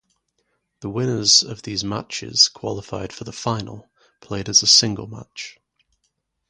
The winners of these matches qualified for the final, played as a single match.